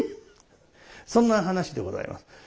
そんな話でございます。